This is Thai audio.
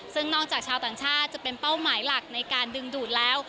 ซึ่งนอกจากชาวต่างชาติจะเป็นเป้าหมายหลักในการดึงดูดแล้ว